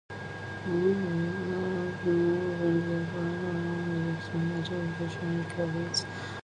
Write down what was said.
Note that the undoped narrow band gap material now has excess majority charge carriers.